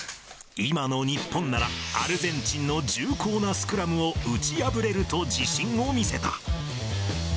今の日本なら、アルゼンチンの重厚なスクラムを打ち破れると自信を見せた。